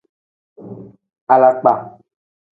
Alakpa.